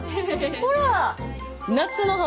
ほら。